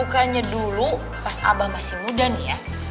bukannya dulu pas abah masih muda nih ya